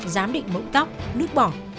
giám định mẫu tóc nước bỏ